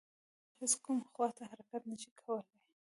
صندوق هیڅ کومې خواته حرکت نه شي کولی.